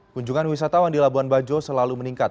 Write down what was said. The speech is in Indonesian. kunjungan wisatawan di labuan bajo selalu meningkat